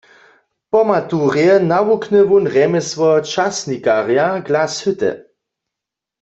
Po maturje nawukny wón rjemjesło časnikarja w Glashütte.